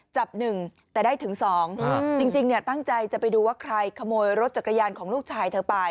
จับ๑แต่ได้ถึง๒จริงตั้งใจจะไปดูว่าใครขโมยรถจักรยานของลูกชายเธอไป